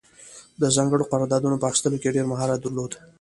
د ځانګړو قراردادونو په اخیستلو کې یې ډېر مهارت درلود.